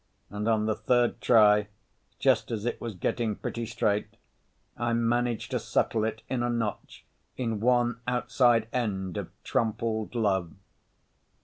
And on the third try, just as it was getting pretty straight, I managed to settle it in a notch in one outside end of Trompled Love.